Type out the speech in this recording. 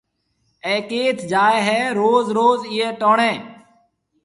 اَي ڪيٿ جائي هيَ روز روز ايئي ٽوڻيَ